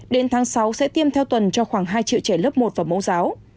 đến tháng sáu sẽ tiêm theo tuần cho khoảng hai triệu trẻ lớp một và mẫu giáo